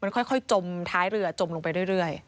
ค่อยจมท้ายเรือจมลงไปเรื่อย